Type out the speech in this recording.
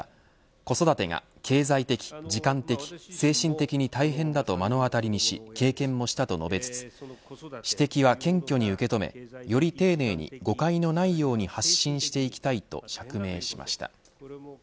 子育てが経済的、時間的精神的に大変だと目の当たりにし経験もしたと述べつつ指摘は謙虚に受け止めより丁寧に誤解のないように発信していきたいと釈明しました。